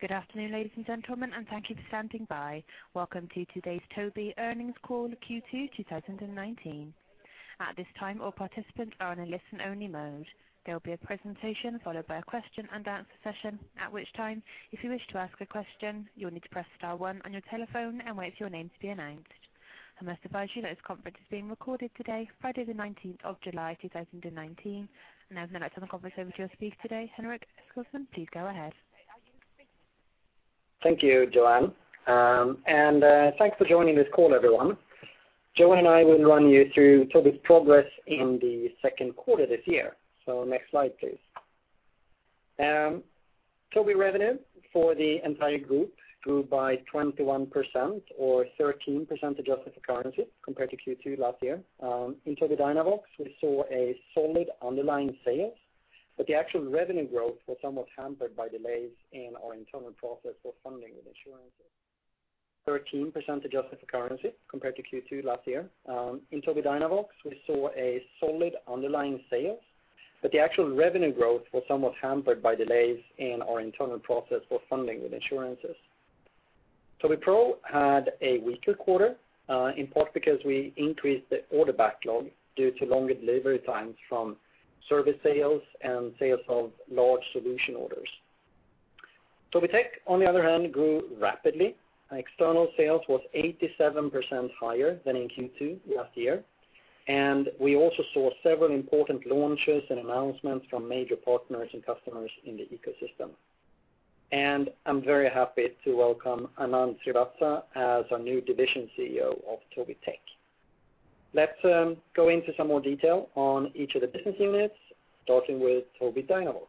Good afternoon, ladies and gentlemen, thank you for standing by. Welcome to today's Tobii earnings call, Q2 2019. At this time, all participants are in a listen-only mode. There will be a presentation followed by a question and answer session, at which time, if you wish to ask a question, you will need to press star one on your telephone and wait for your name to be announced. I must advise you that this conference is being recorded today, Friday the 19th of July, 2019. Now I would like to hand the conference over to your speaker today, Henrik Eskilsson. Please go ahead. Thank you, Joanne. Thanks for joining this call, everyone. Joanne and I will run you through Tobii's progress in the second quarter this year. Next slide, please. Tobii revenue for the entire group grew by 21% or 13% adjusted for currency compared to Q2 last year. In Tobii Dynavox, we saw a solid underlying sales, but the actual revenue growth was somewhat hampered by delays in our internal process for funding with insurances. 13% adjusted for currency compared to Q2 last year. In Tobii Dynavox, we saw a solid underlying sales, but the actual revenue growth was somewhat hampered by delays in our internal process for funding with insurances. Tobii Pro had a weaker quarter, in part because we increased the order backlog due to longer delivery times from service sales and sales of large solution orders. Tobii Tech, on the other hand, grew rapidly. External sales was 87% higher than in Q2 last year, we also saw several important launches and announcements from major partners and customers in the ecosystem. I'm very happy to welcome Anand Srivatsa as our new Division CEO of Tobii Tech. Let's go into some more detail on each of the business units, starting with Tobii Dynavox.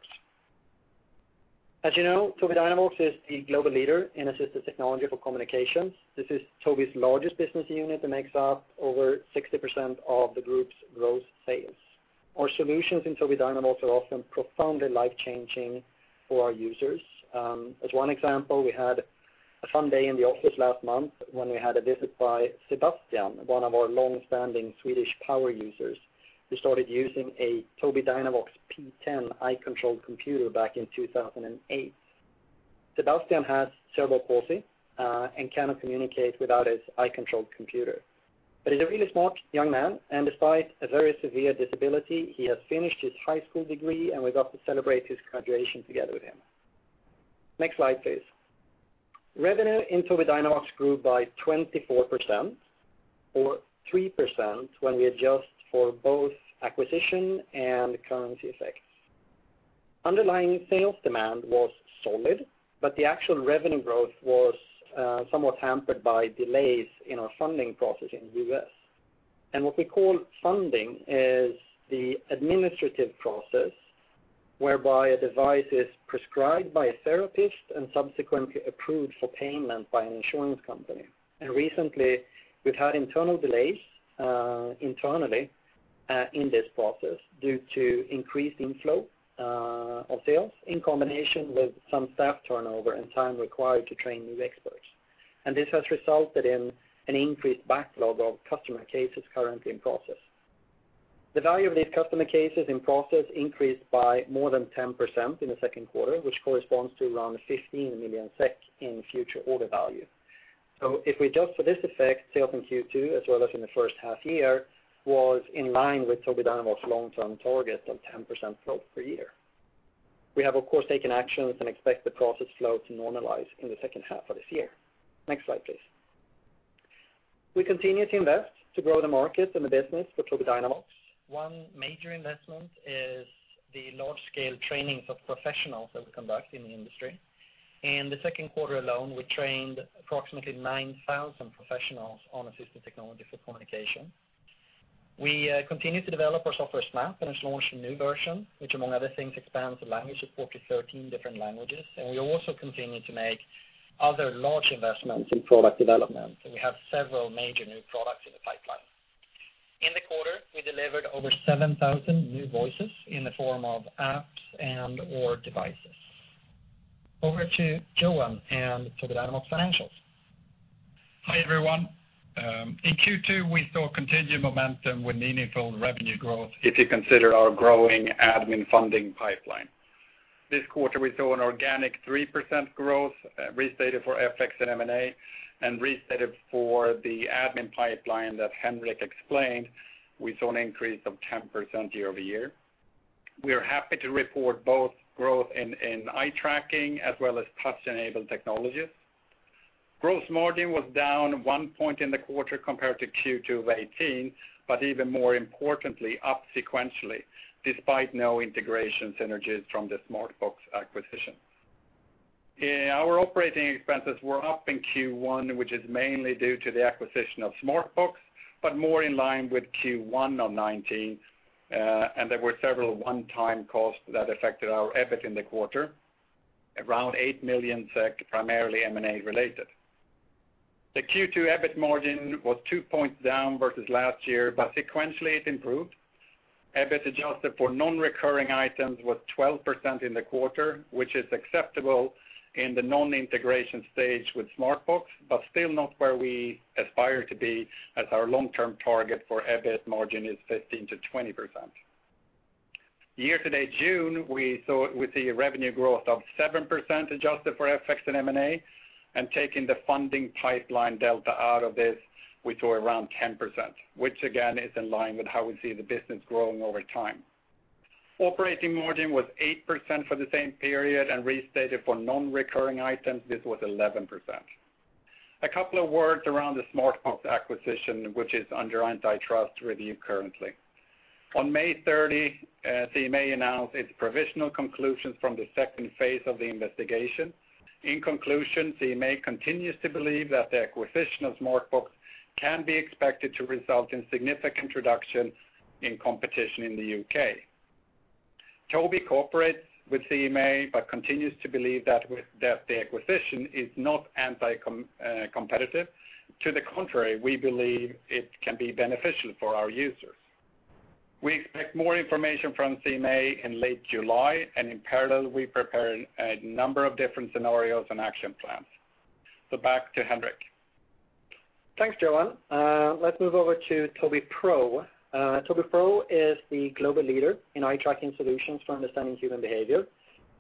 As you know, Tobii Dynavox is the global leader in assistive technology for communications. This is Tobii's largest business unit and makes up over 60% of the group's gross sales. Our solutions in Tobii Dynavox are often profoundly life-changing for our users. As one example, we had a fun day in the office last month when we had a visit by Sebastian, one of our long-standing Swedish power users who started using a Tobii Dynavox P10 eye-controlled computer back in 2008. Sebastian has cerebral palsy and cannot communicate without his eye-controlled computer. He's a really smart young man, despite a very severe disability, he has finished his high school degree, and we got to celebrate his graduation together with him. Next slide, please. Revenue in Tobii Dynavox grew by 24% or 3% when we adjust for both acquisition and currency effects. Underlying sales demand was solid, but the actual revenue growth was somewhat hampered by delays in our funding process in the U.S. What we call funding is the administrative process whereby a device is prescribed by a therapist and subsequently approved for payment by an insurance company. Recently, we've had internal delays internally in this process due to increased inflow of sales in combination with some staff turnover and time required to train new experts. This has resulted in an increased backlog of customer cases currently in process. The value of these customer cases in process increased by more than 10% in the second quarter, which corresponds to around 15 million SEK in future order value. If we adjust for this effect, sales in Q2 as well as in the first half-year, was in line with Tobii Dynavox's long-term target of 10% growth per year. We have, of course, taken actions and expect the process flow to normalize in the second half of this year. Next slide, please. We continue to invest to grow the market and the business for Tobii Dynavox. One major investment is the large-scale trainings of professionals that we conduct in the industry. In the second quarter alone, we trained approximately 9,000 professionals on assistive technology for communication. We continue to develop our software suite, and it's launched a new version, which among other things, expands the language support to 13 different languages. We also continue to make other large investments in product development, and we have several major new products in the pipeline. In the quarter, we delivered over 7,000 new voices in the form of apps and/or devices. Over to Joanne and Tobii Dynavox financials. Hi, everyone. In Q2, we saw continued momentum with meaningful revenue growth if you consider our growing admin funding pipeline. This quarter, we saw an organic 3% growth restated for FX and M&A and restated for the admin pipeline that Henrik explained, we saw an increase of 10% year-over-year. We are happy to report both growth in eye tracking as well as touch-enabled technologies. Gross margin was down 1 point in the quarter compared to Q2 of 2018, but even more importantly, up sequentially despite no integration synergies from the Smartbox acquisition. Our operating expenses were up in Q1, which is mainly due to the acquisition of Smartbox, but more in line with Q1 of 2019, and there were several one-time costs that affected our EBIT in the quarter, around 8 million SEK, primarily M&A related. The Q2 EBIT margin was 2 points down versus last year, but sequentially it improved. EBIT adjusted for non-recurring items was 12% in the quarter, which is acceptable in the non-integration stage with Smartbox, but still not where we aspire to be as our long-term target for EBIT margin is 15%-20%. Year-to-date June, we saw revenue growth of 7%, adjusted for FX and M&A. Taking the funding pipeline delta out of this, we saw around 10%, which again, is in line with how we see the business growing over time. Operating margin was 8% for the same period and restated for non-recurring items, this was 11%. A couple of words around the Smartbox acquisition, which is under antitrust review currently. On May 30, CMA announced its provisional conclusions from the second phase of the investigation. In conclusion, CMA continues to believe that the acquisition of Smartbox can be expected to result in significant reduction in competition in the U.K. Tobii cooperates with CMA, but continues to believe that the acquisition is not anti-competitive. To the contrary, we believe it can be beneficial for our users. We expect more information from CMA in late July. In parallel, we prepare a number of different scenarios and action plans. Back to Henrik. Thanks, Johan. Let's move over to Tobii Pro. Tobii Pro is the global leader in eye tracking solutions for understanding human behavior.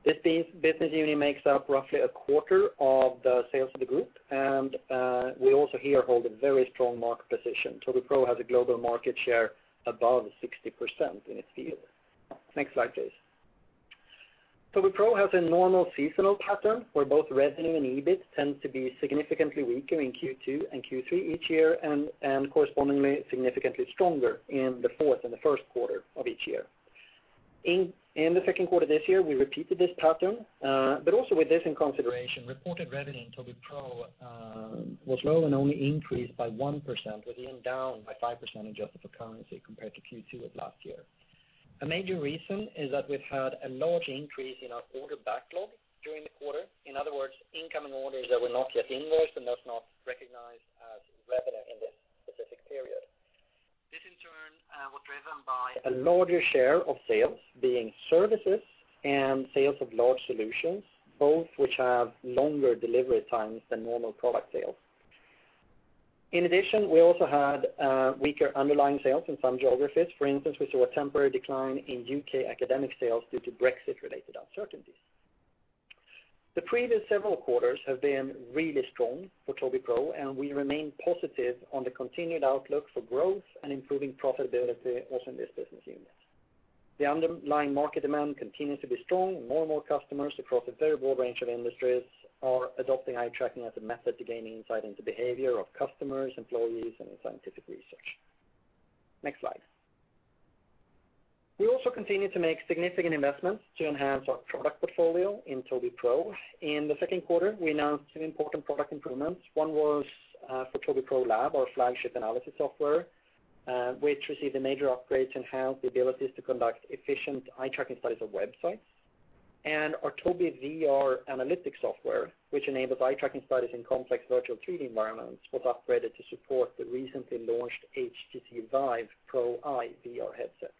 This business unit makes up roughly a quarter of the sales of the group. We also here hold a very strong market position. Tobii Pro has a global market share above 60% in its field. Next slide, please. Tobii Pro has a normal seasonal pattern where both revenue and EBIT tend to be significantly weaker in Q2 and Q3 each year, correspondingly, significantly stronger in the fourth and the first quarter of each year. In the second quarter this year, we repeated this pattern. Also with this in consideration, reported revenue in Tobii Pro was low and only increased by 1%, was even down by 5% adjusted for currency compared to Q2 of last year. A major reason is that we've had a large increase in our order backlog during the quarter. In other words, incoming orders that were not yet invoiced and thus not recognized as revenue in this specific period. This in turn, was driven by a larger share of sales being services and sales of large solutions, both which have longer delivery times than normal product sales. In addition, we also had weaker underlying sales in some geographies. For instance, we saw a temporary decline in U.K. academic sales due to Brexit-related uncertainties. The previous several quarters have been really strong for Tobii Pro. We remain positive on the continued outlook for growth and improving profitability also in this business unit. The underlying market demand continues to be strong. More and more customers across a very broad range of industries are adopting eye tracking as a method to gaining insight into behavior of customers, employees, and in scientific research. Next slide. We also continue to make significant investments to enhance our product portfolio in Tobii Pro. In the second quarter, we announced some important product improvements. One was for Tobii Pro Lab, our flagship analysis software, which received a major upgrade to enhance the abilities to conduct efficient eye tracking studies of websites. Our Tobii VR analytics software, which enables eye tracking studies in complex virtual 3D environments, was upgraded to support the recently launched HTC VIVE Pro Eye VR headsets.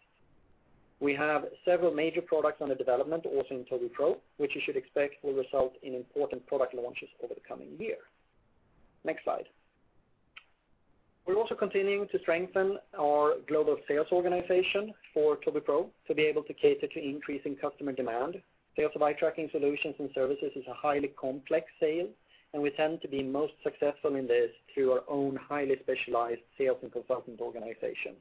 We have several major products under development also in Tobii Pro, which you should expect will result in important product launches over the coming year. Next slide. We're also continuing to strengthen our global sales organization for Tobii Pro to be able to cater to increasing customer demand. Sales of eye tracking solutions and services is a highly complex sale, and we tend to be most successful in this through our own highly specialized sales and consultant organization.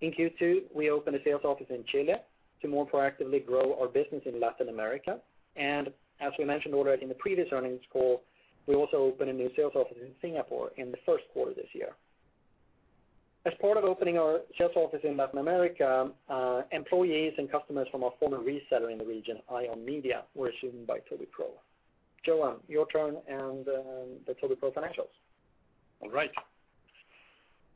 In Q2, we opened a sales office in Chile to more proactively grow our business in Latin America. As we mentioned already in the previous earnings call, we also opened a new sales office in Singapore in the first quarter this year. As part of opening our sales office in Latin America, employees and customers from our former reseller in the region, Eye On Media, were assumed by Tobii Pro. Johan, your turn and the Tobii Pro financials. All right.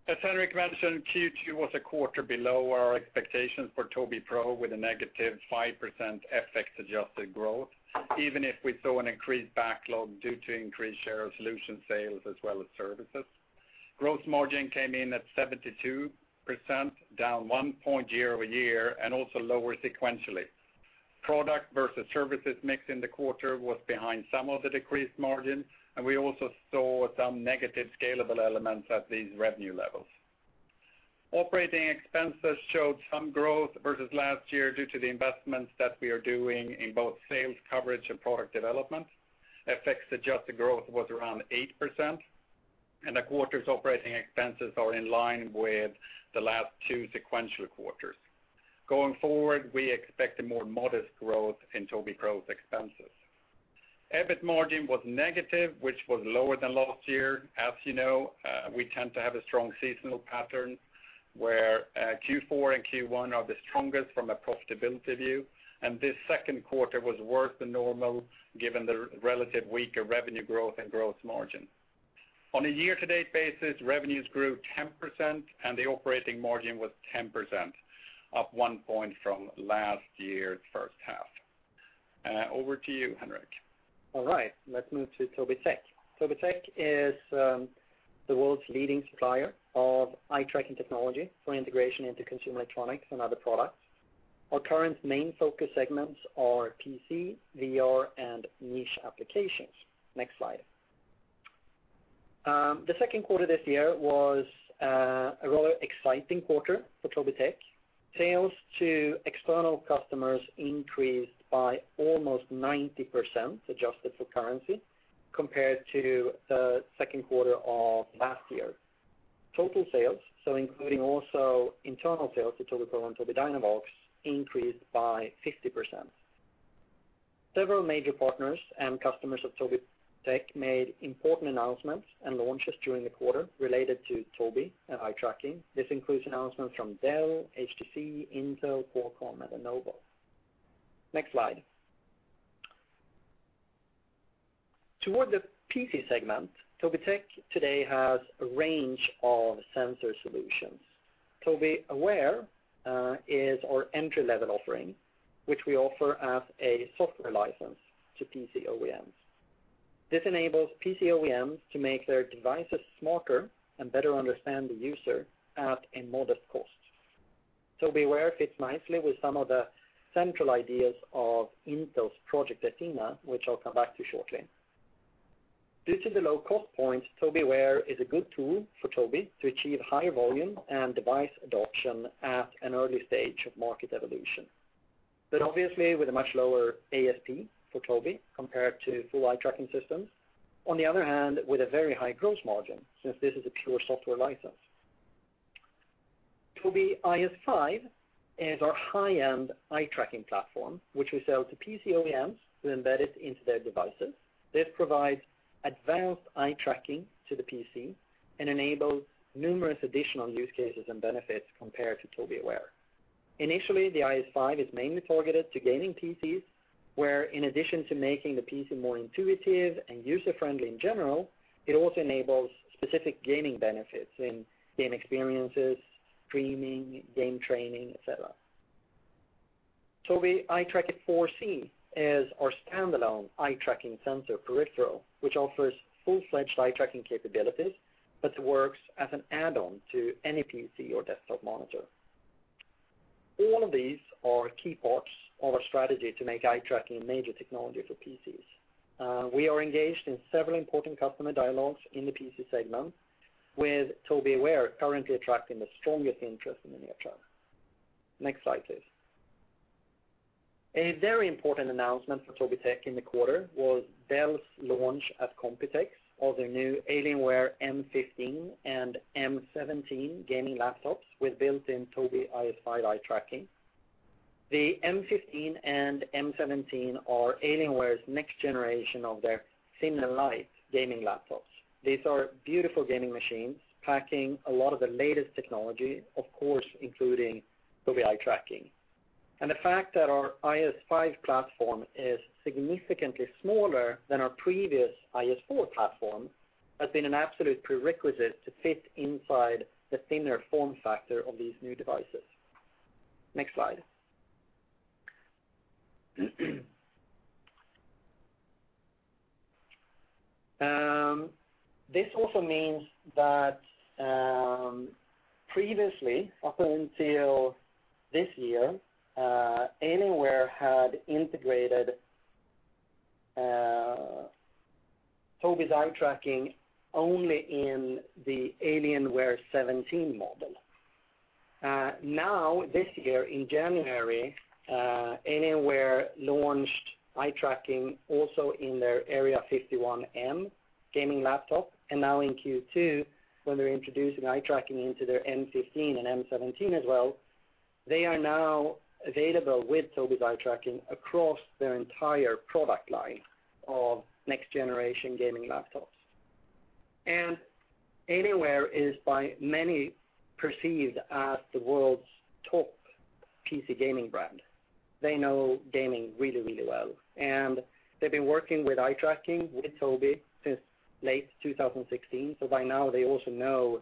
As Henrik mentioned, Q2 was a quarter below our expectations for Tobii Pro, with a negative 5% FX-adjusted growth, even if we saw an increased backlog due to increased share of solution sales as well as services. Gross margin came in at 72%, down one point year-over-year and also lower sequentially. Product versus services mix in the quarter was behind some of the decreased margin, and we also saw some negative scalable elements at these revenue levels. Operating expenses showed some growth versus last year due to the investments that we are doing in both sales coverage and product development. FX-adjusted growth was around 8%. The quarter's operating expenses are in line with the last two sequential quarters. Going forward, we expect a more modest growth in Tobii Pro's expenses. EBIT margin was negative, which was lower than last year. As you know, we tend to have a strong seasonal pattern where Q4 and Q1 are the strongest from a profitability view. This second quarter was worse than normal given the relative weaker revenue growth and growth margin. On a year-to-date basis, revenues grew 10%. The operating margin was 10%, up one point from last year's first half. Over to you, Henrik. All right. Let's move to Tobii Tech. Tobii Tech is the world's leading supplier of eye tracking technology for integration into consumer electronics and other products. Our current main focus segments are PC, VR, and niche applications. Next slide. The second quarter this year was a rather exciting quarter for Tobii Tech. Sales to external customers increased by almost 90%, adjusted for currency, compared to the second quarter of last year. Total sales, including also internal sales to Tobii Pro and Tobii Dynavox, increased by 50%. Several major partners and customers of Tobii Tech made important announcements and launches during the quarter related to Tobii and eye tracking. This includes announcements from Dell, HTC, Intel, Qualcomm, and Lenovo. Next slide. Toward the PC segment, Tobii Tech today has a range of sensor solutions. Tobii Aware is our entry-level offering, which we offer as a software license to PC OEMs. This enables PC OEMs to make their devices smarter and better understand the user at a modest cost. Tobii Aware fits nicely with some of the central ideas of Intel's Project Athena, which I'll come back to shortly. Due to the low cost point, Tobii Aware is a good tool for Tobii to achieve high volume and device adoption at an early stage of market evolution, but obviously with a much lower ASP for Tobii compared to full eye tracking systems. On the other hand, with a very high gross margin, since this is a pure software license. Tobii IS5 is our high-end eye tracking platform, which we sell to PC OEMs to embed it into their devices. This provides advanced eye tracking to the PC and enables numerous additional use cases and benefits compared to Tobii Aware. Initially, the IS5 is mainly targeted to gaming PCs, where in addition to making the PC more intuitive and user-friendly in general, it also enables specific gaming benefits in game experiences, streaming, game training, et cetera. Tobii Eye Tracker 4C is our standalone eye tracking sensor peripheral, which offers full-fledged eye tracking capabilities, but works as an add-on to any PC or desktop monitor. All of these are key parts of our strategy to make eye tracking a major technology for PCs. We are engaged in several important customer dialogues in the PC segment, with Tobii Aware currently attracting the strongest interest in the near term. Next slide, please. A very important announcement for Tobii Tech in the quarter was Dell's launch at Computex of their new Alienware m15 and m17 gaming laptops with built-in Tobii IS5 eye tracking. The m15 and m17 are Alienware's next generation of their thin and light gaming laptops. These are beautiful gaming machines, packing a lot of the latest technology, of course, including Tobii eye tracking. The fact that our IS5 platform is significantly smaller than our previous IS4 platform has been an absolute prerequisite to fit inside the thinner form factor of these new devices. Next slide. This also means that previously, up until this year, Alienware had integrated Tobii's eye tracking only in the Alienware 17 model. This year in January, Alienware launched eye tracking also in their Area-51m gaming laptop, and now in Q2, when they're introducing eye tracking into their m15 and m17 as well, they are now available with Tobii eye tracking across their entire product line of next-generation gaming laptops. Alienware is by many perceived as the world's top PC gaming brand. They know gaming really well, and they've been working with eye tracking, with Tobii, since late 2016. By now they also know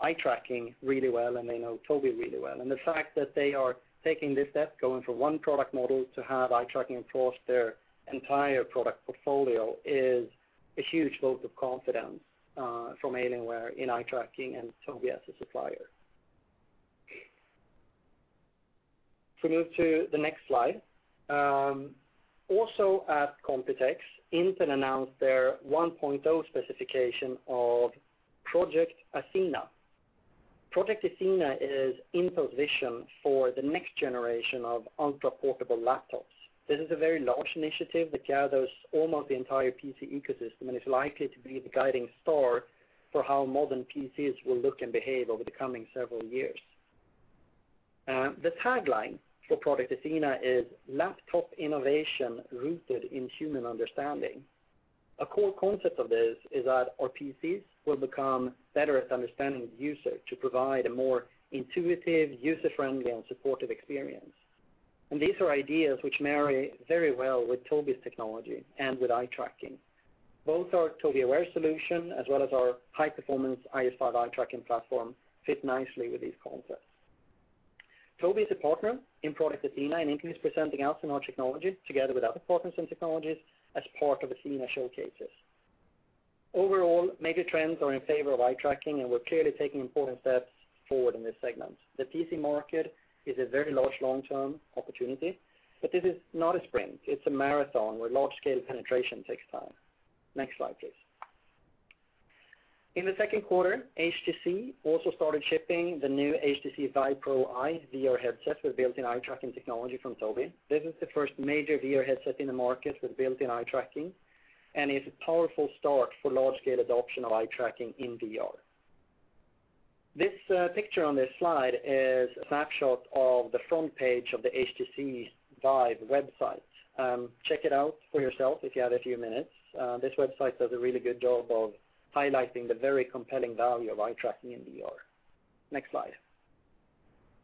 eye tracking really well, and they know Tobii really well. The fact that they are taking this step, going from one product model to have eye tracking across their entire product portfolio, is a huge vote of confidence from Alienware in eye tracking and Tobii as a supplier. If we move to the next slide. Also at Computex, Intel announced their 1.0 specification of Project Athena. Project Athena is Intel's vision for the next generation of ultraportable laptops. This is a very large initiative that gathers almost the entire PC ecosystem, and is likely to be the guiding star for how modern PCs will look and behave over the coming several years. The tagline for Project Athena is "Laptop innovation rooted in human understanding." A core concept of this is that our PCs will become better at understanding the user to provide a more intuitive, user-friendly, and supportive experience. These are ideas which marry very well with Tobii's technology and with eye tracking. Both our Tobii Aware solution, as well as our high-performance IS5 eye tracking platform fit nicely with these concepts. Tobii is a partner in Project Athena, and Intel is presenting us and our technology, together with other partners and technologies, as part of Athena showcases. Major trends are in favor of eye tracking, and we're clearly taking important steps forward in this segment. The PC market is a very large long-term opportunity, but this is not a sprint. It's a marathon, where large-scale penetration takes time. Next slide, please. In the second quarter, HTC also started shipping the new HTC VIVE Pro Eye VR headset with built-in eye-tracking technology from Tobii. This is the first major VR headset in the market with built-in eye tracking, and is a powerful start for large-scale adoption of eye-tracking in VR. This picture on this slide is a snapshot of the front page of the HTC VIVE website. Check it out for yourself if you have a few minutes. This website does a really good job of highlighting the very compelling value of eye-tracking in VR. Next slide.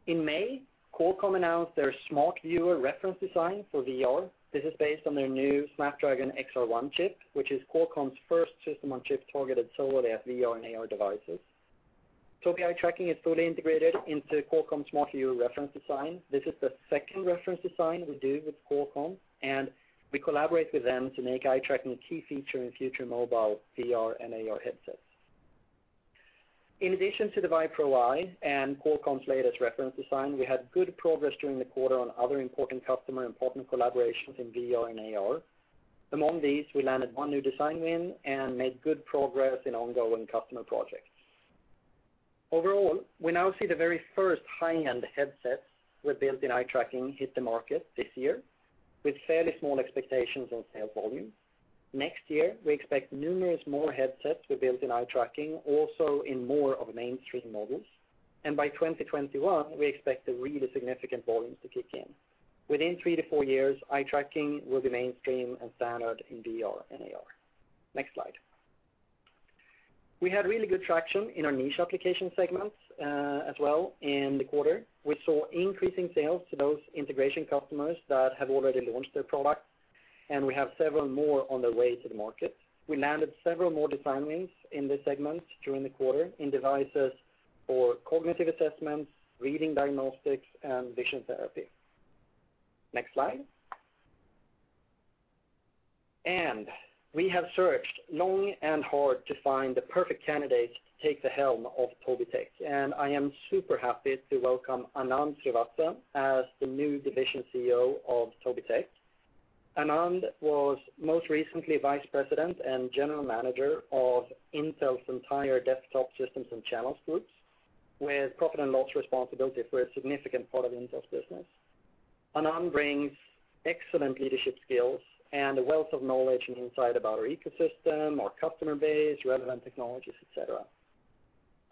In May, Qualcomm announced their Smart Viewer reference design for VR. This is based on their new Snapdragon XR1 chip, which is Qualcomm's first system on chip targeted solely at VR and AR devices. Tobii eye-tracking is fully integrated into Qualcomm's Smart Viewer reference design. This is the second reference design we do with Qualcomm, and we collaborate with them to make eye tracking a key feature in future mobile VR and AR headsets. In addition to the VIVE Pro Eye and Qualcomm's latest reference design, we had good progress during the quarter on other important customer and partner collaborations in VR and AR. Among these, we landed one new design win and made good progress in ongoing customer projects. Overall, we now see the very first high-end headsets with built-in eye-tracking hit the market this year, with fairly small expectations on sales volume. Next year, we expect numerous more headsets with built-in eye-tracking, also in more of a mainstream models. By 2021, we expect the really significant volumes to kick in. Within three to four years, eye-tracking will be mainstream and standard in VR and AR. Next slide. We had really good traction in our niche application segments, as well in the quarter. We saw increasing sales to those integration customers that have already launched their product, and we have several more on the way to the market. We landed several more design wins in this segment during the quarter, in devices for cognitive assessments, reading diagnostics, and vision therapy. Next slide. We have searched long and hard to find the perfect candidate to take the helm of Tobii Tech, and I am super happy to welcome Anand Srivatsa as the new division CEO of Tobii Tech. Anand was most recently Vice President and General Manager of Intel's entire Desktop Systems and Channels groups, with profit and loss responsibility for a significant part of Intel's business. Anand brings excellent leadership skills and a wealth of knowledge and insight about our ecosystem, our customer base, relevant technologies, et cetera.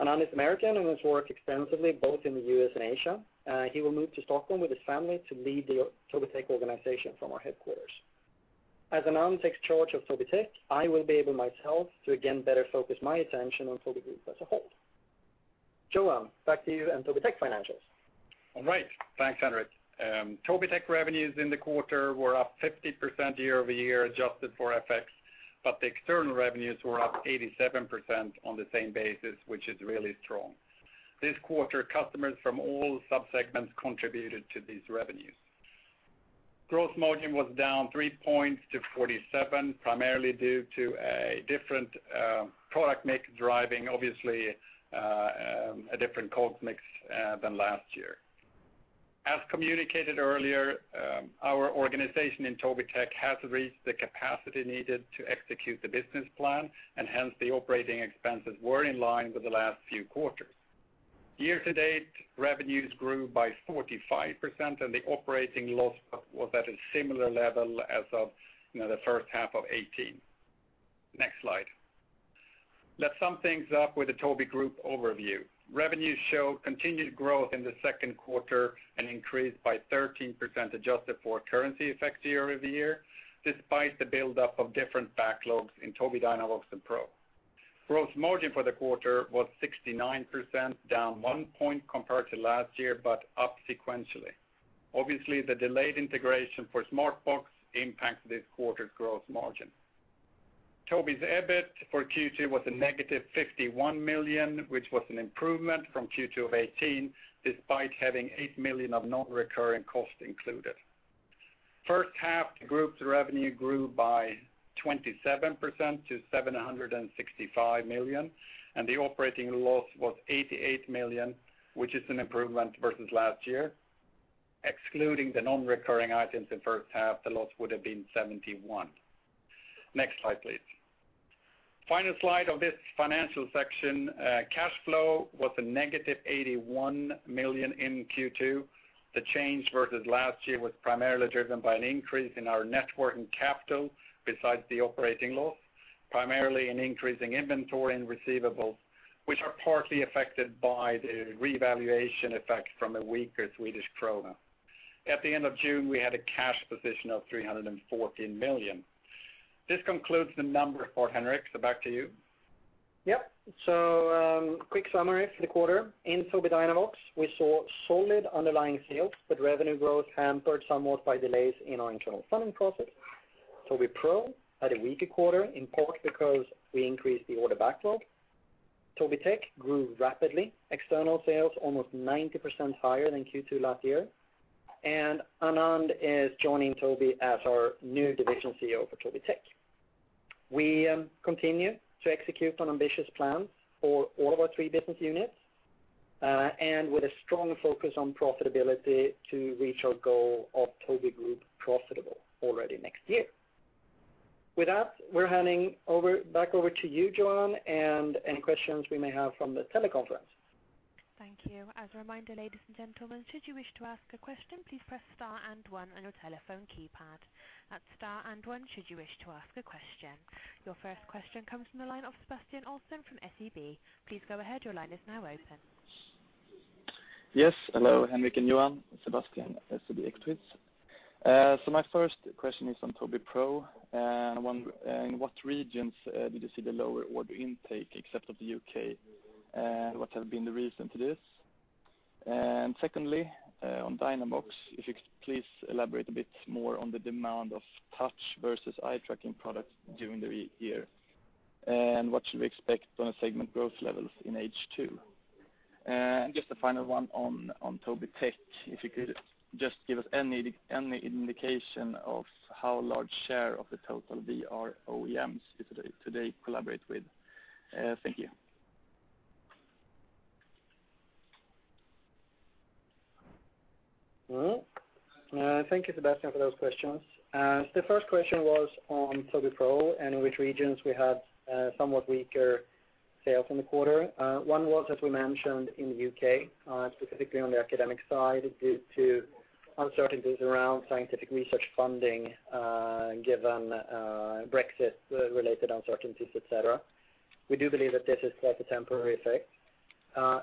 Anand is American and has worked extensively both in the U.S. and Asia. He will move to Stockholm with his family to lead the Tobii Tech organization from our headquarters. As Anand takes charge of Tobii Tech, I will be able myself to again better focus my attention on Tobii Group as a whole. Johan, back to you and Tobii Tech financials. All right. Thanks, Henrik. Tobii Tech revenues in the quarter were up 50% year-over-year, adjusted for FX, but the external revenues were up 87% on the same basis, which is really strong. This quarter, customers from all sub-segments contributed to these revenues. Gross margin was down three points to 47%, primarily due to a different product mix driving, obviously, a different cost mix than last year. As communicated earlier, our organization in Tobii Tech has reached the capacity needed to execute the business plan, and hence, the operating expenses were in line with the last few quarters. Year to date, revenues grew by 45% and the operating loss was at a similar level as of the first half of 2018. Next slide. Let's sum things up with the Tobii Group overview. Revenues show continued growth in the second quarter and increased by 13% adjusted for currency effects year-over-year, despite the buildup of different backlogs in Tobii Dynavox and Tobii Pro. Gross margin for the quarter was 69%, down one point compared to last year, but up sequentially. Obviously, the delayed integration for Smartbox impacted this quarter's gross margin. Tobii's EBIT for Q2 was a -51 million, which was an improvement from Q2 of 2018, despite having 8 million of non-recurring costs included. First half, group's revenue grew by 27% to 765 million, and the operating loss was 88 million, which is an improvement versus last year. Excluding the non-recurring items in the first half, the loss would have been 71 million. Next slide, please. Final slide of this financial section. Cash flow was a -81 million in Q2. The change versus last year was primarily driven by an increase in our net working capital besides the operating loss, primarily an increase in inventory and receivables, which are partly affected by the revaluation effect from a weaker Swedish krona. At the end of June, we had a cash position of 314 million. This concludes the numbers for Henrik, back to you. In Tobii Dynavox, we saw solid underlying sales with revenue growth hampered somewhat by delays in our internal funding process. Tobii Pro had a weaker quarter, in part because we increased the order backlog. Tobii Tech grew rapidly. External sales almost 90% higher than Q2 last year. Anand is joining Tobii as our new Division CEO for Tobii Tech. We continue to execute on ambitious plans for all of our three business units. With a strong focus on profitability to reach our goal of Tobii Group profitable already next year. With that, we are handing back over to you, Joanne, and any questions we may have from the teleconference. Thank you. As a reminder, ladies and gentlemen, should you wish to ask a question, please press star and one on your telephone keypad. That is star and one, should you wish to ask a question. Your first question comes from the line of Sebastian Olsson from SEB. Please go ahead. Your line is now open. Yes, hello, Henrik and Johan. Sebastian, SEB Equities. My first question is on Tobii Pro. In what regions did you see the lower order intake except of the U.K., and what has been the reason to this? Secondly, on Dynavox, if you could please elaborate a bit more on the demand of touch versus eye-tracking products during the year. What should we expect on a segment growth level in H2? Just a final one on Tobii Tech. If you could just give us any indication of how large share of the total VR OEMs do today collaborate with. Thank you. Well, thank you, Sebastian, for those questions. The first question was on Tobii Pro and in which regions we had somewhat weaker sales in the quarter. One was, as we mentioned, in the U.K., specifically on the academic side, due to uncertainties around scientific research funding, given Brexit-related uncertainties, et cetera. We do believe that this is quite a temporary effect.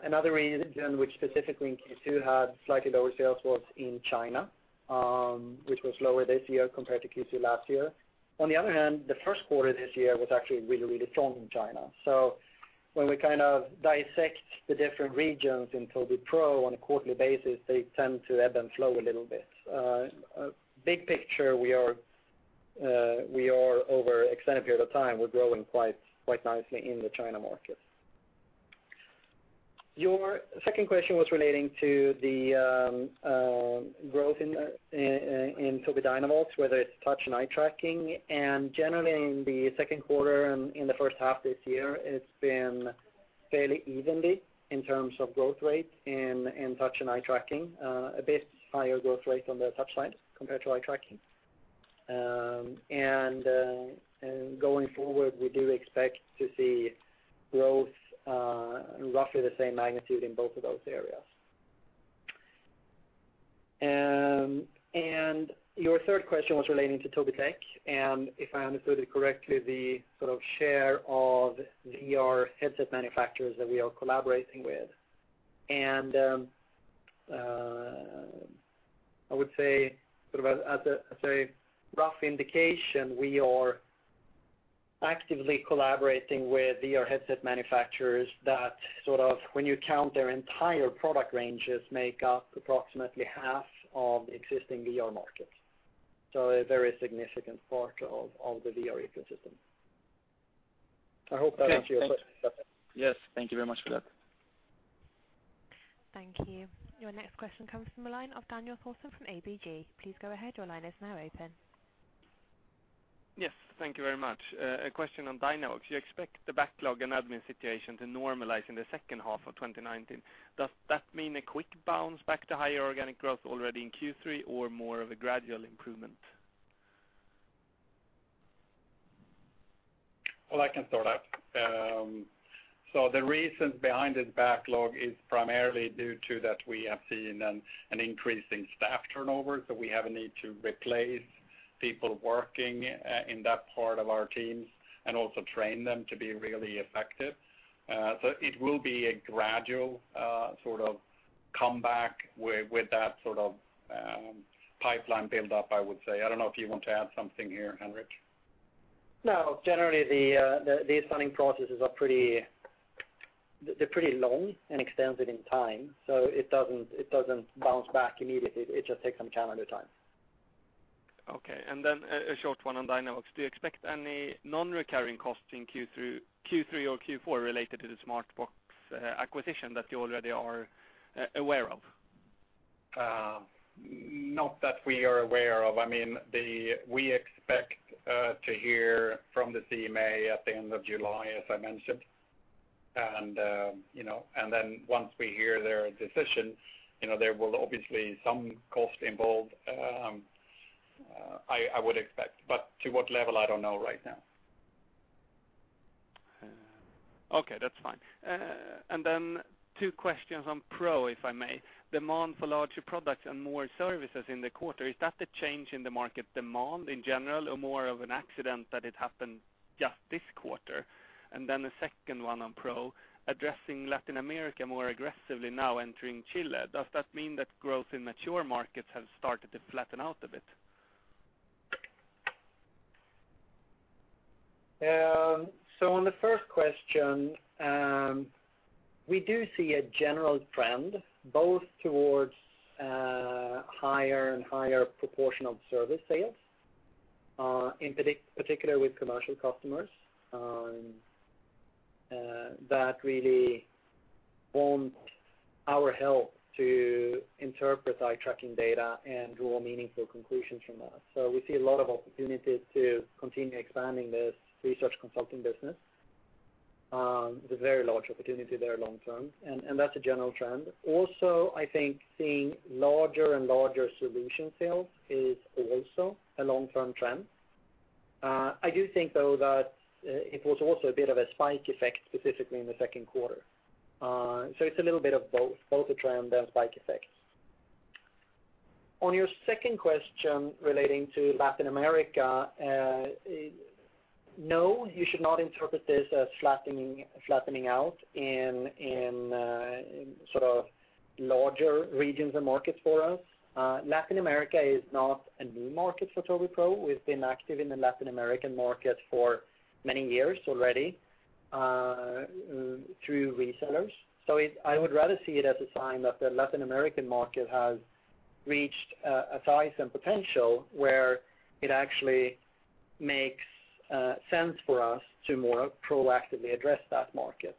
Another region which specifically in Q2 had slightly lower sales was in China, which was lower this year compared to Q2 last year. On the other hand, the first quarter this year was actually really, really strong in China. When we kind of dissect the different regions in Tobii Pro on a quarterly basis, they tend to ebb and flow a little bit. Big picture, we are over extended period of time, we are growing quite nicely in the China market. Your second question was relating to the growth in Tobii Dynavox, whether it's touch and eye-tracking. Generally, in the second quarter and in the first half this year, it's been fairly evenly in terms of growth rates in touch and eye-tracking. A bit higher growth rate on the touch side compared to eye-tracking. Going forward, we do expect to see growth in roughly the same magnitude in both of those areas. Your third question was relating to Tobii Tech, and if I understood it correctly, the sort of share of VR headset manufacturers that we are collaborating with. I would say sort of as a rough indication, we are actively collaborating with VR headset manufacturers that sort of, when you count their entire product ranges, make up approximately half of existing VR markets. A very significant part of the VR ecosystem. I hope that answers your question. Okay. Yes. Thank you very much for that. Thank you. Your next question comes from the line of Daniel Thorsson from ABG. Please go ahead. Your line is now open. Yes. Thank you very much. A question on Dynavox. You expect the backlog and admin situation to normalize in the second half of 2019. Does that mean a quick bounce back to higher organic growth already in Q3, or more of a gradual improvement? Well, I can start out. The reason behind this backlog is primarily due to that we have seen an increase in staff turnover, so we have a need to replace people working in that part of our teams and also train them to be really effective. It will be a gradual sort of comeback with that sort of pipeline build-up, I would say. I don't know if you want to add something here, Henrik. No. Generally, these funding processes are pretty long and extensive in time, so it doesn't bounce back immediately. It just takes some calendar time. Okay. Then a short one on Dynavox. Do you expect any non-recurring costs in Q3 or Q4 related to the Smartbox acquisition that you already are aware of? Not that we are aware of. We expect to hear from the CMA at the end of July, as I mentioned. Once we hear their decision, there will obviously some cost involved, I would expect. To what level, I don't know right now. Okay, that's fine. Two questions on Pro, if I may. Demand for larger products and more services in the quarter, is that a change in the market demand in general or more of an accident that it happened just this quarter? The second one on Pro, addressing Latin America more aggressively now, entering Chile. Does that mean that growth in mature markets has started to flatten out a bit? On the first question, we do see a general trend, both towards higher and higher proportion of service sales, in particular with commercial customers, that really want our help to interpret eye-tracking data and draw meaningful conclusions from that. We see a lot of opportunities to continue expanding this research consulting business. There's a very large opportunity there long term, and that's a general trend. I think seeing larger and larger solution sales is also a long-term trend. I do think though that it was also a bit of a spike effect specifically in the second quarter. It's a little bit of both a trend and spike effect. On your second question relating to Latin America, no, you should not interpret this as flattening out in larger regions and markets for us. Latin America is not a new market for Tobii Pro. We've been active in the Latin American market for many years already, through resellers. I would rather see it as a sign that the Latin American market has reached a size and potential where it actually makes sense for us to more proactively address that market.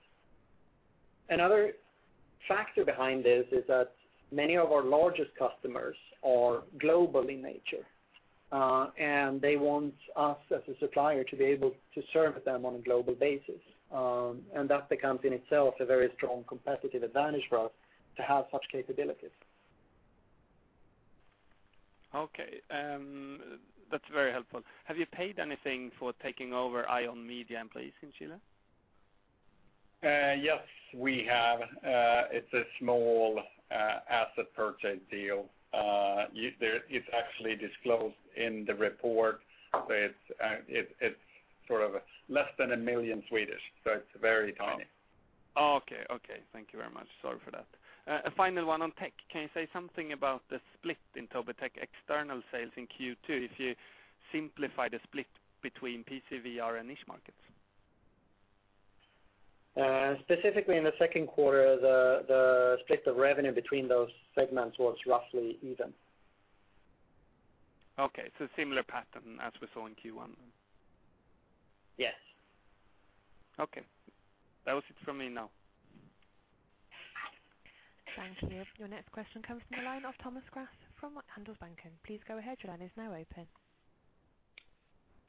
Another factor behind this is that many of our largest customers are global in nature. They want us as a supplier to be able to serve them on a global basis. That becomes in itself a very strong competitive advantage for us to have such capabilities. Okay. That's very helpful. Have you paid anything for taking over Eye On Media employees in Chile? Yes, we have. It's a small asset purchase deal. It's actually disclosed in the report. It's less than 1 million, so it's very tiny. Okay. Thank you very much. Sorry for that. A final one on Tobii Tech. Can you say something about the split in Tobii Tech external sales in Q2 if you simplify the split between PCVR and niche markets? Specifically in the second quarter, the split of revenue between those segments was roughly even. Similar pattern as we saw in Q1. Yes. That was it from me. Thank you. Your next question comes from the line of Thomas Grass from Handelsbanken. Please go ahead. Your line is now open.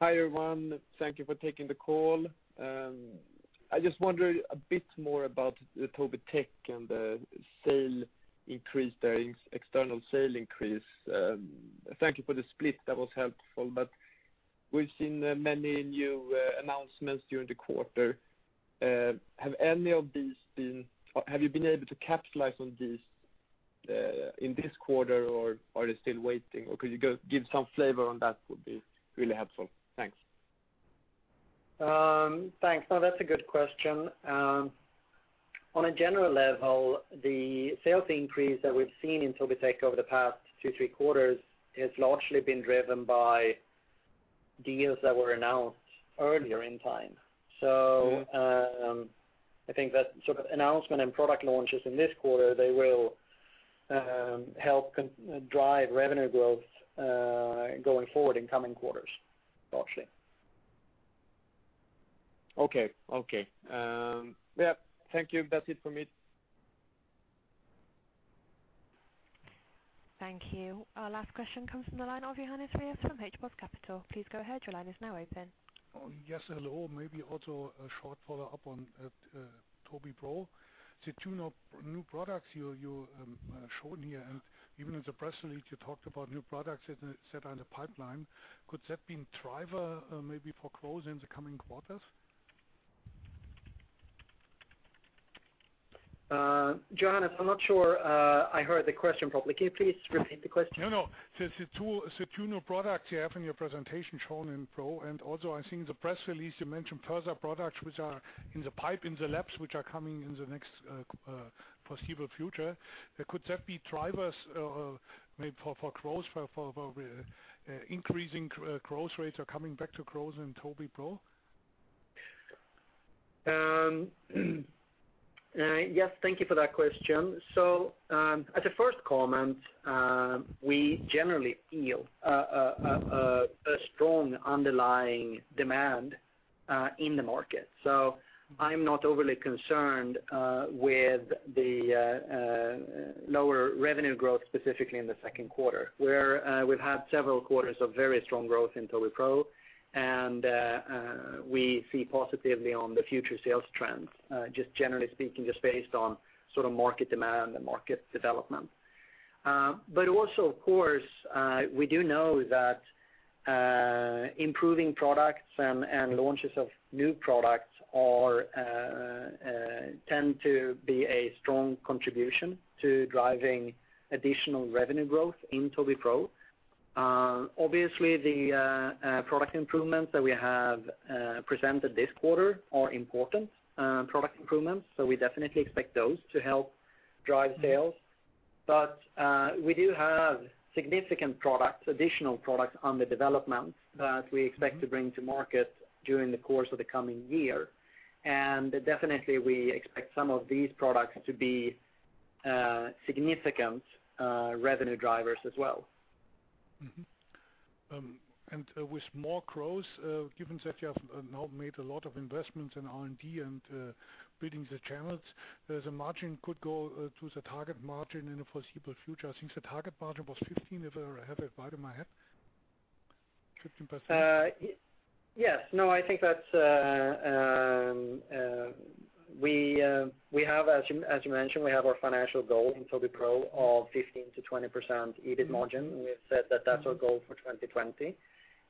Hi, everyone. Thank you for taking the call. I just wonder a bit more about the Tobii Tech and the external sale increase. Thank you for the split, that was helpful. We've seen many new announcements during the quarter. Have you been able to capitalize on these, in this quarter, or are they still waiting? Could you give some flavor on that would be really helpful. Thanks. Thanks. No, that's a good question. On a general level, the sales increase that we've seen in Tobii Tech over the past two, three quarters has largely been driven by deals that were announced earlier in time. I think that sort of announcement and product launches in this quarter, they will help drive revenue growth, going forward in coming quarters, largely. Okay. Thank you. That's it from me. Thank you. Our last question comes from the line of Johannes Ries from Apus Capital. Please go ahead. Your line is now open. Yes, hello. Maybe also a short follow-up on Tobii Pro. The two new products you've shown here, and even in the press release you talked about new products that are set on the pipeline. Could that be a driver maybe for growth in the coming quarters? Johannes, I'm not sure I heard the question properly. Can you please repeat the question? No. The two new products you have in your presentation shown in Pro, and also I think the press release you mentioned further products which are in the pipe in the labs which are coming in the next foreseeable future. Could that be drivers maybe for growth, for increasing growth rates or coming back to growth in Tobii Pro? Yes, thank you for that question. As a first comment, we generally feel a strong underlying demand in the market. I'm not overly concerned with the lower revenue growth, specifically in the second quarter, where we've had several quarters of very strong growth in Tobii Pro. We see positively on the future sales trends, just generally speaking, just based on market demand and market development. Also, of course, we do know that improving products and launches of new products tend to be a strong contribution to driving additional revenue growth in Tobii Pro. Obviously, the product improvements that we have presented this quarter are important product improvements. We definitely expect those to help drive sales. We do have significant products, additional products under development that we expect to bring to market during the course of the coming year. Definitely we expect some of these products to be significant revenue drivers as well. Mm-hmm. With more growth, given that you have now made a lot of investments in R&D and building the channels, the margin could go to the target margin in the foreseeable future. I think the target margin was 15%, if I have it right in my head. Yes. As you mentioned, we have our financial goal in Tobii Pro of 15%-20% EBIT margin, we have said that that's our goal for 2020.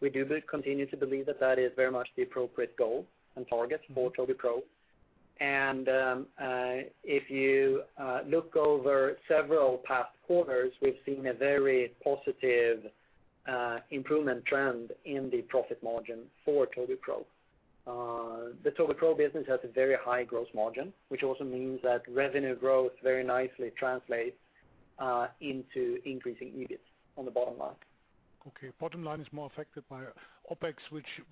We do continue to believe that that is very much the appropriate goal and target for Tobii Pro. If you look over several past quarters, we've seen a very positive improvement trend in the profit margin for Tobii Pro. The Tobii Pro business has a very high gross margin, which also means that revenue growth very nicely translates into increasing EBIT on the bottom line. Okay. Bottom line is more affected by OpEx,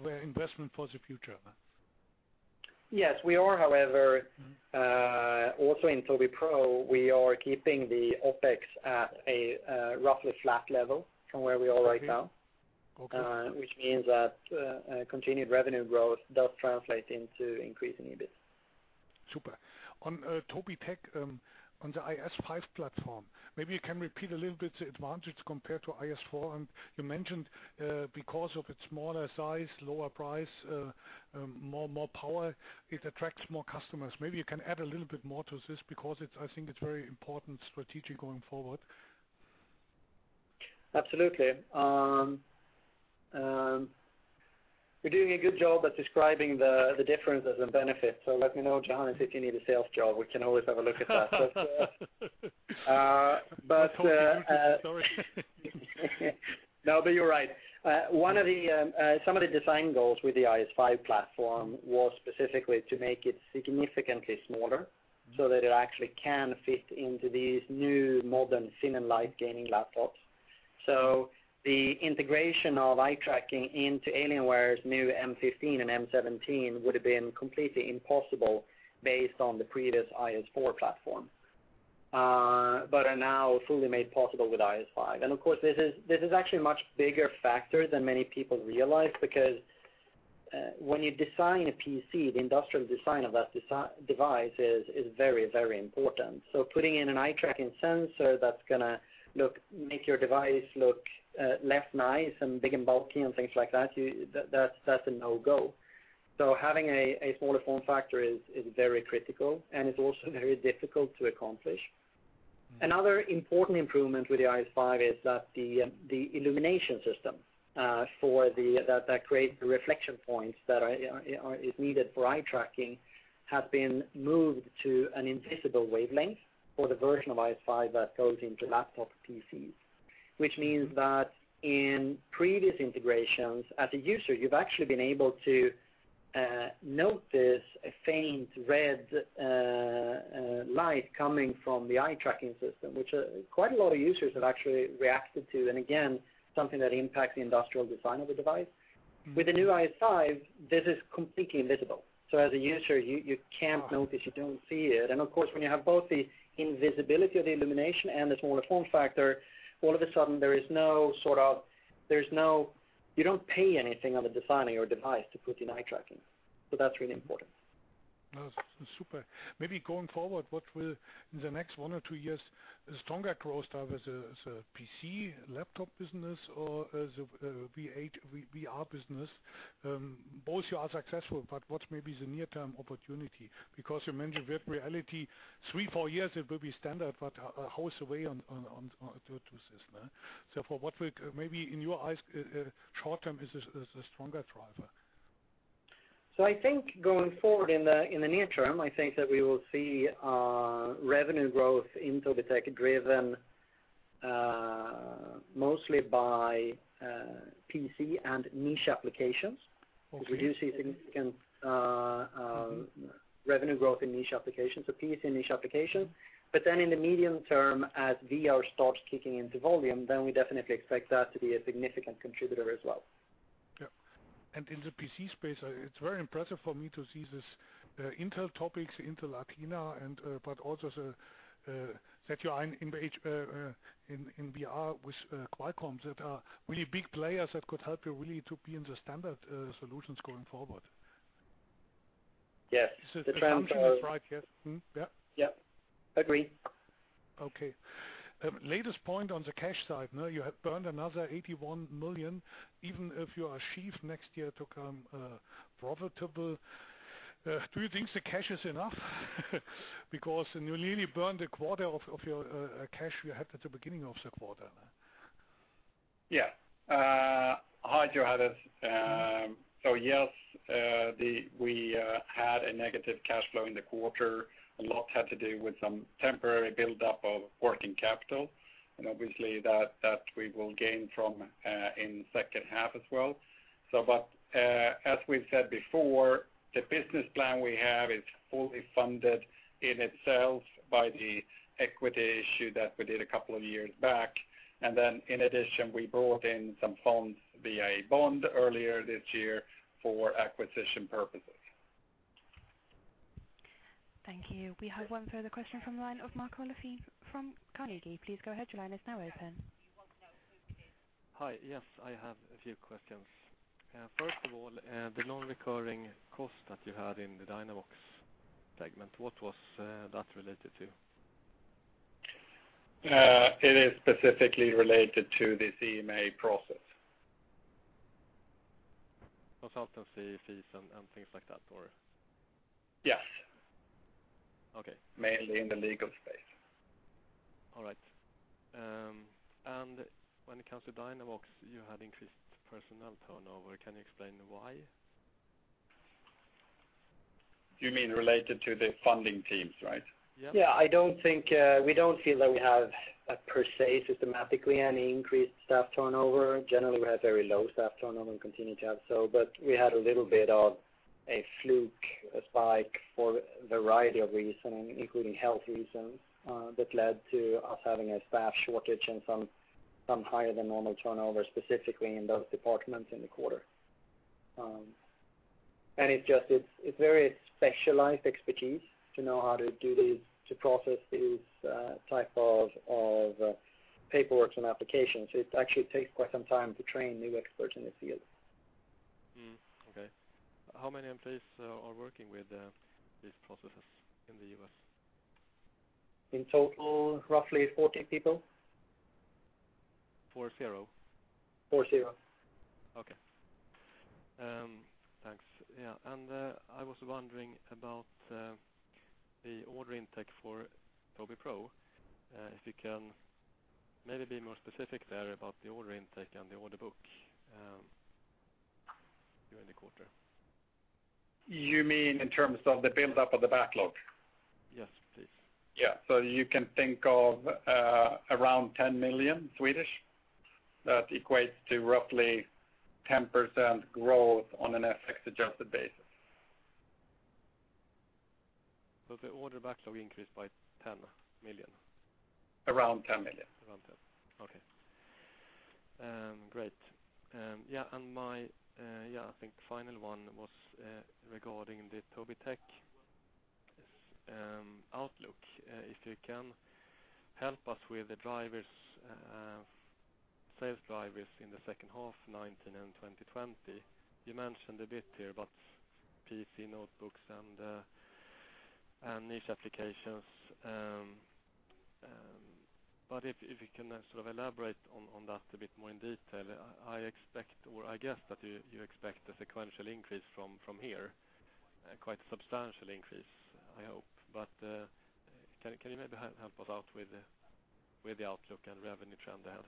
where investment for the future. Yes. We are, however, also in Tobii Pro, we are keeping the OpEx at a roughly flat level from where we are right now. Okay. Which means that continued revenue growth does translate into increasing EBIT. Super. On Tobii Tech, on the IS5 platform, maybe you can repeat a little bit the advantage compared to IS4. You mentioned, because of its smaller size, lower price, more power, it attracts more customers. Maybe you can add a little bit more to this because I think it's very important strategic going forward. Absolutely. We're doing a good job at describing the differences and benefits. Let me know, Johannes, if you need a sales job, we can always have a look at that. Sorry. You're right. Some of the design goals with the IS5 platform was specifically to make it significantly smaller so that it actually can fit into these new modern thin and light gaming laptops. The integration of eye tracking into Alienware's new m15 and m17 would've been completely impossible based on the previous IS4 platform, but are now fully made possible with IS5. And of course, this is actually a much bigger factor than many people realize because, when you design a PC, the industrial design of that device is very important. Putting in an eye-tracking sensor that's going to make your device look less nice and big and bulky and things like that's a no-go. Having a smaller form factor is very critical, and it's also very difficult to accomplish. Another important improvement with the IS5 is that the illumination system that create the reflection points that is needed for eye tracking have been moved to an invisible wavelength for the version of IS5 that goes into laptop PCs. Which means that in previous integrations, as a user, you've actually been able to notice a faint red light coming from the eye-tracking system, which quite a lot of users have actually reacted to. Again, something that impacts the industrial design of the device. With the new IS5, this is completely invisible, so as a user, you can't notice, you don't see it. And of course, when you have both the invisibility of the illumination and the smaller form factor, all of a sudden you don't pay anything on the design of your device to put in eye tracking. That's really important. Super. Maybe going forward, what will, in the next one or two years, stronger growth have as a PC laptop business or as a VR business? Both you are successful, but what may be the near-term opportunity? You mentioned with reality, three, four years, it will be standard, but how is the way on to this now? For what will, maybe in your eyes, short term is a stronger driver? I think going forward in the near term, I think that we will see revenue growth in Tobii Tech driven mostly by PC and niche applications. Okay. We do see significant revenue growth in niche applications, PC and niche applications. In the medium term, as VR starts kicking into volume, we definitely expect that to be a significant contributor as well. Yeah. In the PC space, it is very impressive for me to see this Intel Project, Intel Athena, but also that you are in VR with Qualcomm, that are really big players that could help you really to be in the standard solutions going forward. Yes. Is the assumption is right? Yes. Mm-hmm. Yeah. Yes. Agree. Latest point on the cash side. You have burned another 81 million, even if you achieve next year to come profitable, do you think the cash is enough? You nearly burned a quarter of your cash you had at the beginning of the quarter. Yes. Hi, Johannes. Yes, we had a negative cash flow in the quarter. A lot had to do with some temporary buildup of working capital, and obviously that we will gain from in second half as well. As we've said before, the business plan we have is fully funded in itself by the equity issue that we did a couple of years back. In addition, we brought in some funds via bond earlier this year for acquisition purposes. Thank you. We have one further question from the line of [Marco La Vine] from Carnegie. Please go ahead. Your line is now open. Hi. Yes, I have a few questions. First of all, the non-recurring cost that you had in the Dynavox segment, what was that related to? It is specifically related to this CMA process. Consultancy fees and things like that? Yes. Okay. Mainly in the legal space. All right. When it comes to Tobii Dynavox, you had increased personnel turnover. Can you explain why? You mean related to the funding teams, right? Yeah. Yeah, we don't feel that we have, per se, systematically any increased staff turnover. Generally, we have very low staff turnover and continue to have so, but we had a little bit of a fluke, a spike for a variety of reasons, including health reasons, that led to us having a staff shortage and some higher than normal turnover, specifically in those departments in the quarter. It's very specialized expertise to know how to process these type of paperwork and applications. It actually takes quite some time to train new experts in the field. Okay. How many employees are working with these processes in the U.S.? In total, roughly 40 people. 40? 40. Okay. Thanks. Yeah, I was wondering about the order intake for Tobii Pro. If you can maybe be more specific there about the order intake and the order book during the quarter. You mean in terms of the buildup of the backlog? Yes, please. Yeah. You can think of around 10 million. That equates to roughly 10% growth on an FX adjusted basis. If the order backlog increased by 10 million. Around 10 million. Okay. Great. My, I think final one was regarding the Tobii Tech outlook. If you can help us with the sales drivers in the second half 2019 and 2020. You mentioned a bit here about PC notebooks and niche applications. If you can sort of elaborate on that a bit more in detail, I expect, or I guess that you expect a sequential increase from here, quite a substantial increase, I hope. Can you maybe help us out with the outlook and revenue trend ahead?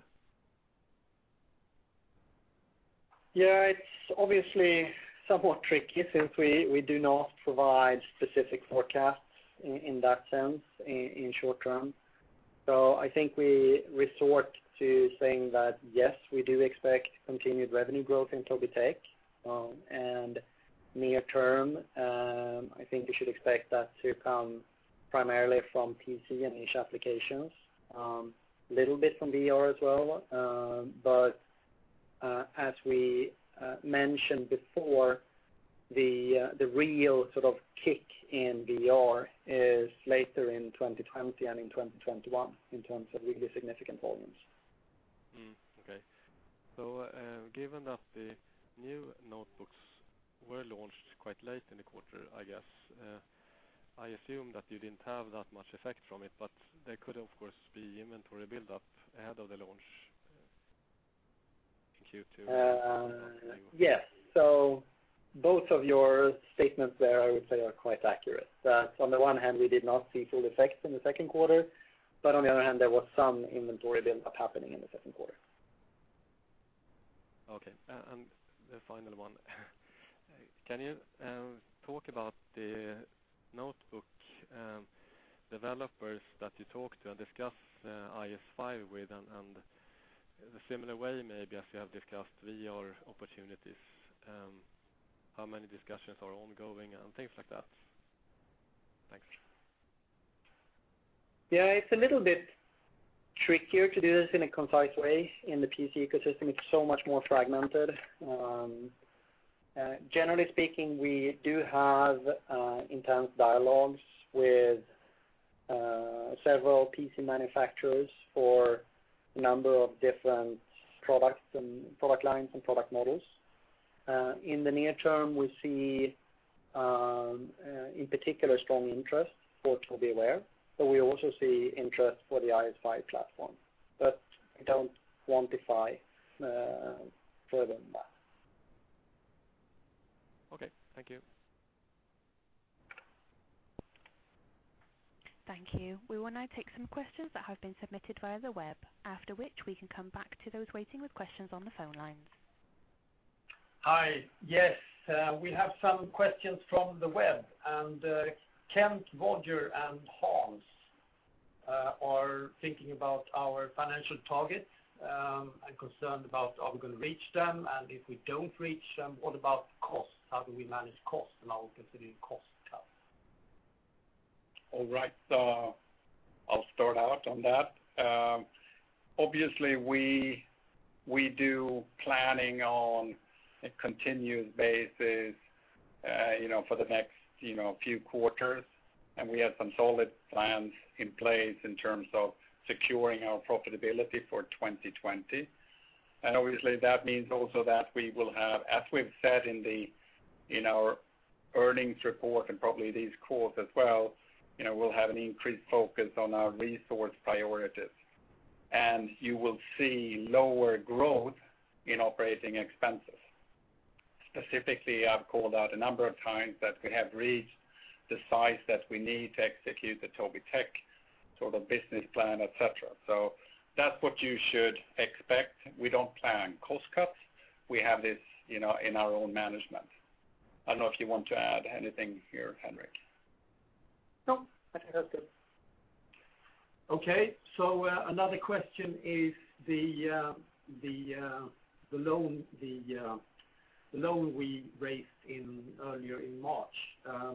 It's obviously somewhat tricky since we do not provide specific forecasts in that sense, in short term. I think we resort to saying that, yes, we do expect continued revenue growth in Tobii Tech. Near term, I think we should expect that to come primarily from PC and niche applications. Little bit from VR as well. As we mentioned before, the real sort of kick in VR is later in 2020 and 2021, in terms of really significant volumes. Okay. Given that the new notebooks were launched quite late in the quarter, I guess, I assume that you didn't have that much effect from it, but there could of course be inventory buildup ahead of the launch in Q2. Yes. Both of your statements there, I would say are quite accurate. That on the one hand, we did not see full effects in the second quarter, but on the other hand, there was some inventory buildup happening in the second quarter. The final one. Can you talk about the notebook developers that you talk to and discuss IS5 with, in the similar way maybe as you have discussed VR opportunities, how many discussions are ongoing and things like that? Thanks. It's a little bit trickier to do this in a concise way in the PC ecosystem. It's so much more fragmented. Generally speaking, we do have intense dialogues with several PC manufacturers for a number of different products and product lines and product models. In the near term, we see, in particular strong interest for Tobii Aware, but we also see interest for the IS5 platform. We don't quantify further than that. Okay. Thank you. Thank you. We will now take some questions that have been submitted via the web, after which we can come back to those waiting with questions on the phone lines. Hi. Yes. We have some questions from the web, Kent, Roger, and Hans are thinking about our financial targets, concerned about are we going to reach them, and if we don't reach them, what about costs? How do we manage costs and our continuing cost tough? All right. I'll start out on that. Obviously, we do planning on a continued basis, for the next few quarters. We have some solid plans in place in terms of securing our profitability for 2020. Obviously, that means also that we will have, as we've said in our Earnings report and probably these calls as well, we'll have an increased focus on our resource priorities. You will see lower growth in operating expenses. Specifically, I've called out a number of times that we have reached the size that we need to execute the Tobii Tech sort of business plan, et cetera. That's what you should expect. We don't plan cost cuts. We have this in our own management. I don't know if you want to add anything here, Henrik. No, I think that's good. Okay, another question is the loan we raised earlier in March.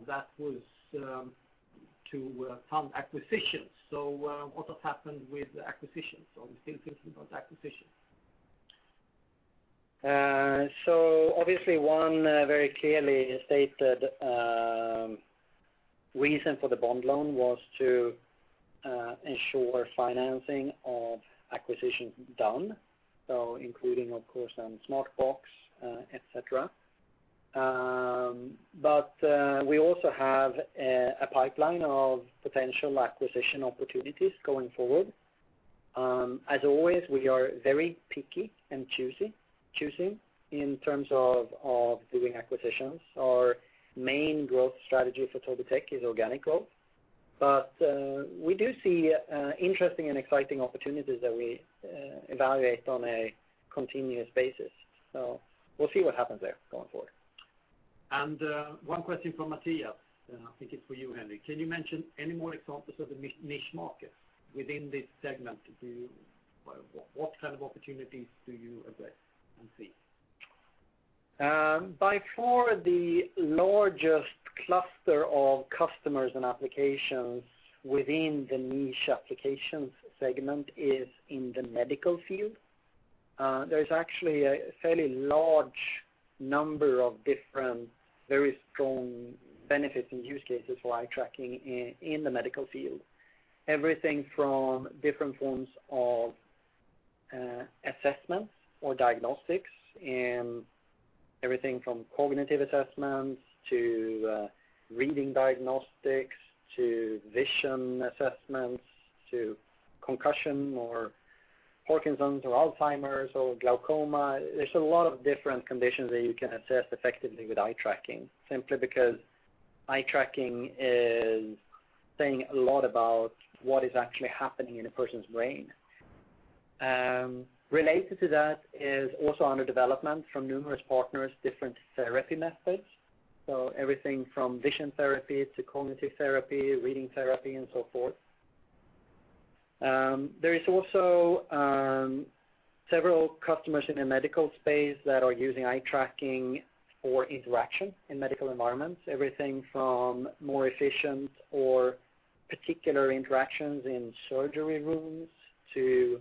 That was to fund acquisitions. What has happened with the acquisitions? Are we still thinking about acquisitions? Obviously one very clearly stated reason for the bond loan was to ensure financing of acquisitions done, including, of course, Smartbox, et cetera. We also have a pipeline of potential acquisition opportunities going forward. As always, we are very picky and choosy in terms of doing acquisitions. Our main growth strategy for Tobii Tech is organic growth. We do see interesting and exciting opportunities that we evaluate on a continuous basis. We'll see what happens there going forward. One question from Matthias, I think it's for you, Henrik. Can you mention any more examples of the niche markets within this segment? What kind of opportunities do you address and see? By far the largest cluster of customers and applications within the niche applications segment is in the medical field. There is actually a fairly large number of different very strong benefits and use cases for eye tracking in the medical field. Everything from different forms of assessments or diagnostics and everything from cognitive assessments to reading diagnostics, to vision assessments, to concussion, or Parkinson's, or Alzheimer's, or glaucoma. There's a lot of different conditions that you can assess effectively with eye tracking, simply because eye tracking is saying a lot about what is actually happening in a person's brain. Related to that is also under development from numerous partners, different therapy methods. Everything from vision therapy to cognitive therapy, reading therapy, and so forth. There is also several customers in the medical space that are using eye tracking for interaction in medical environments. Everything from more efficient or particular interactions in surgery rooms to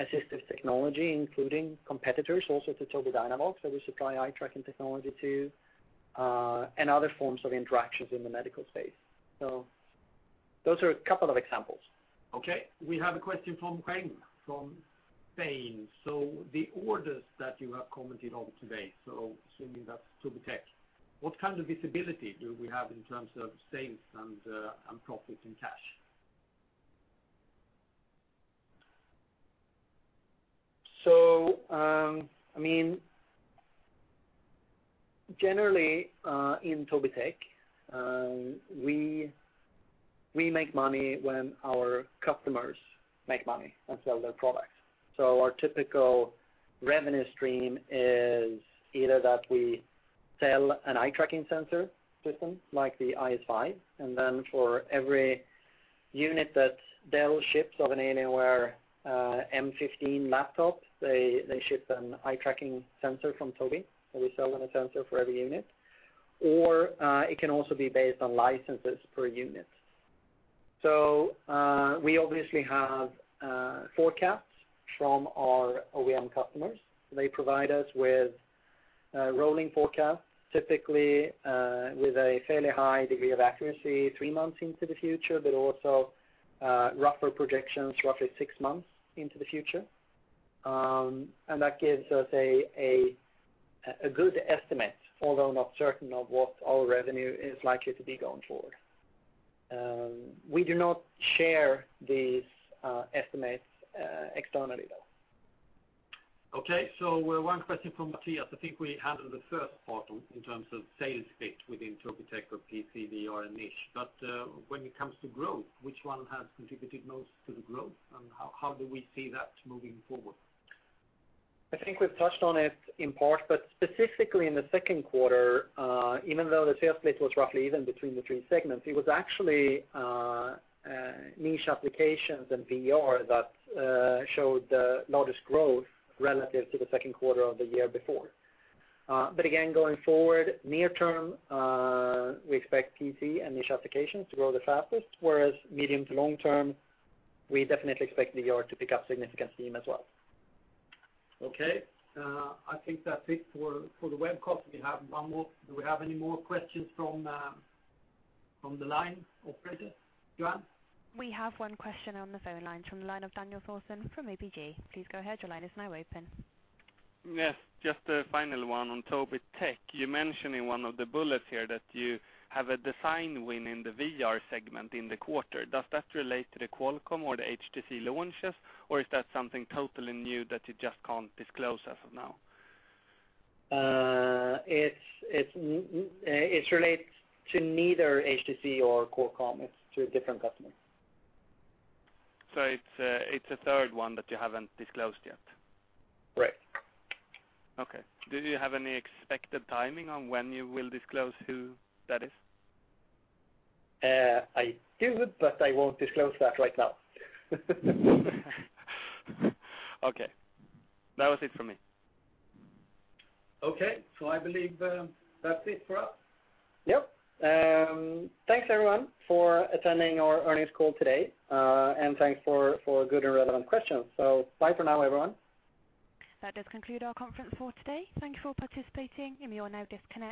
assistive technology, including competitors also to Tobii Dynavox, that we supply eye tracking technology to, and other forms of interactions in the medical space. Those are a couple of examples. Okay. We have a question from Craig, from Spain. The orders that you have commented on today, so assuming that's Tobii Tech, what kind of visibility do we have in terms of sales and profit, and cash? Generally, in Tobii Tech, we make money when our customers make money and sell their products. Our typical revenue stream is either that we sell an eye tracking sensor system like the IS5, and then for every unit that Dell ships of an Alienware m15 laptop, they ship an eye tracking sensor from Tobii. We sell them a sensor for every unit. Or it can also be based on licenses per unit. We obviously have forecasts from our OEM customers. They provide us with rolling forecasts, typically, with a fairly high degree of accuracy, three months into the future, but also rougher projections, roughly six months into the future. That gives us a good estimate, although not certain of what our revenue is likely to be going forward. We do not share these estimates externally, though. Okay, one question from Matthias. I think we handled the first part in terms of sales split within Tobii Tech or PC, VR, and niche. When it comes to growth, which one has contributed most to the growth and how do we see that moving forward? I think we've touched on it in part, specifically in the second quarter, even though the sales split was roughly even between the three segments, it was actually niche applications and VR that showed the largest growth relative to the second quarter of the year before. Again, going forward, near term, we expect PC and niche applications to grow the fastest. Whereas medium to long-term, we definitely expect VR to pick up significant steam as well. Okay. I think that's it for the web call. Do we have any more questions from the line, operator? Joanne? We have one question on the phone line from the line of Daniel Thorsson from ABG. Please go ahead. Your line is now open. Yes, just a final one on Tobii Tech. You mention in one of the bullets here that you have a design win in the VR segment in the quarter. Does that relate to the Qualcomm or the HTC launches? Or is that something totally new that you just can't disclose as of now? It relates to neither HTC or Qualcomm. It's to a different customer. It's a third one that you haven't disclosed yet? Right. Okay. Do you have any expected timing on when you will disclose who that is? I do, but I won't disclose that right now. Okay. That was it for me. Okay. I believe that's it for us. Yep. Thanks everyone for attending our earnings call today. Thanks for good and relevant questions. Bye for now, everyone. That does conclude our conference for today. Thank you for participating, and you are now disconnected